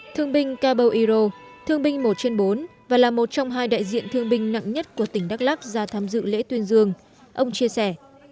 thương binh cabo iro thương binh một trên bốn và là một trong hai đại diện thương binh nặng nhất của tỉnh đắk lắc ra tham dự lễ tuyên dương ông chia sẻ